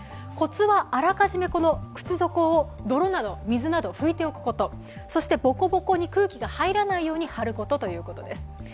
コツはあらかじめ靴底を泥、水などを拭いておくこと、ボコボコに空気が入らないように貼ることということです。